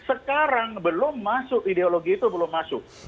sekarang belum masuk ideologi itu belum masuk